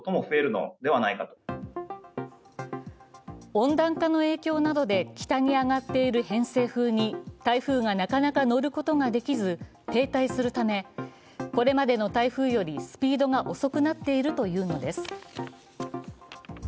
温暖化の影響などで北に上がっている偏西風に台風がなかなか乗ることができず停滞するためこれまでの台風よりスピードが遅くなっているというのです。